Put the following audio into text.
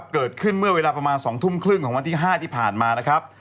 เกิดขึ้นเมื่อเวลาประมาณ๒ทุ่มครึ่งของวันที่๕ที่ผ่านมานะครับ